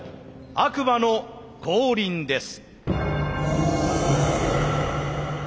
悪魔の降臨です。